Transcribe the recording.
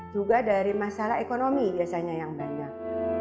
juga dari masalah ekonomi biasanya yang banyak